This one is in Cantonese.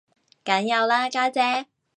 梗有啦家姐